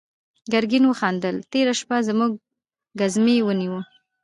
ګرګين وخندل: تېره شپه زموږ ګزمې ونيو.